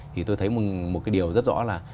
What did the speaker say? thì tôi thấy một cái điều rất rõ là